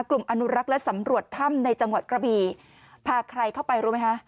อนุรักษ์และสำรวจถ้ำในจังหวัดกระบีพาใครเข้าไปรู้ไหมคะ